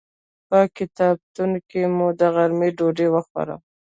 په کتابتون کې مو د غرمې ډوډۍ وخوړه.